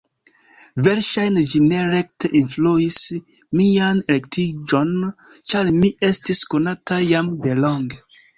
Verŝajne ĝi ne rekte influis mian elektiĝon, ĉar mi estis konata jam de longe.